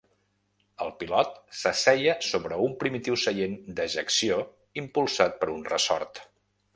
El pilot s'asseia sobre un primitiu seient d'ejecció impulsat per un ressort.